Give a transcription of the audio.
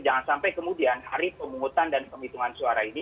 jangan sampai kemudian hari pemungutan dan penghitungan suara ini